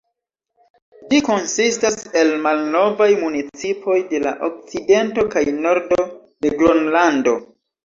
Ĝi konsistas el la malnovaj municipoj de la okcidento kaj nordo de Gronlando.